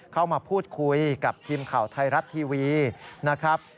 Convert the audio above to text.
เข้ามาพูดคุยกับทีมข่าวไทยรัฐทีวีนะครับ